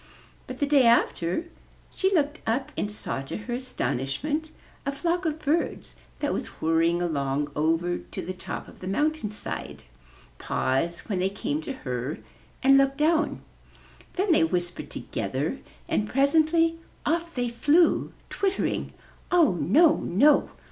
But the day after she looked up and saw to her aston ishment a flock of birds that was whirring along over to the top of the mountain side, pause when they came to her, and look down. Then they whispered together and presently off they flew, twittering, ''Oh, no, no!